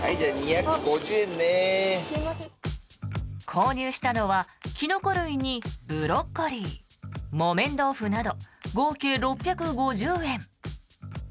購入したのはキノコ類にブロッコリー木綿豆腐など合計６５０円。